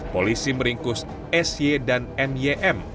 polisi meringkus sy dan mym